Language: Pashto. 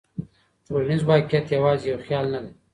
ټولنیز واقعیت یوازې یو خیال نه دی.